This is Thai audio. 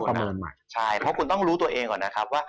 เพราะคุณต้องรู้ตัวเองก่อนนะครับว่า